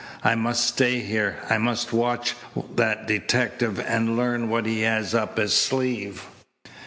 I must stay here. I must watch that detective and learn what he has up his sleeve."